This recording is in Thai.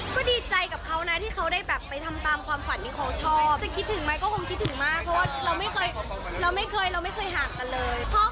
ก็ดีใจกับเขานะที่เขาได้ไปทำตามความฝันที่เขาชอบ